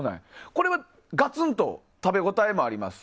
これはガツンと食べ応えもあります。